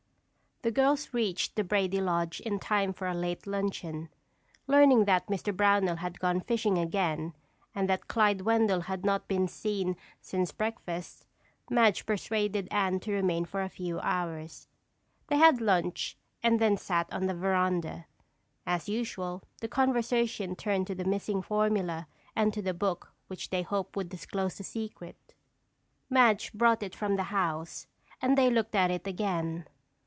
The girls reached the Brady lodge in time for a late luncheon. Learning that Mr. Brownell had gone fishing again and that Clyde Wendell had not been seen since breakfast, Madge persuaded Anne to remain for a few hours. They had lunch and then sat on the veranda. As usual the conversation turned to the missing formula and to the book which they hoped would disclose the secret. Madge brought it from the house and they looked at it again.